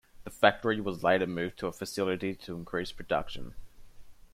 The factory was later moved to a facility to increase production.